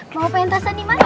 mau pengen tersaniman ya